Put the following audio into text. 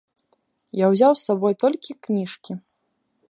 Я ўзяў з сабой толькі кніжкі.